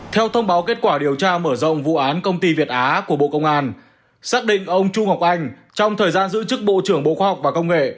theo thông báo kết quả điều tra mở rộng vụ án công ty việt á của bộ công an xác định ông chu ngọc anh trong thời gian giữ chức bộ trưởng bộ khoa học và công nghệ